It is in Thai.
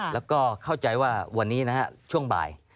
แล้วก็เข้าใจว่าวันนี้นะฮะช่วงบ่าย